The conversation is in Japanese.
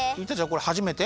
これはじめて？